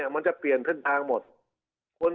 มันจะเปลี่ยนทุ่มทางอีกหมด